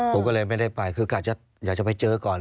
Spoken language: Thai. ผมก็เลยไม่ได้ไปคือกะอยากจะไปเจอก่อน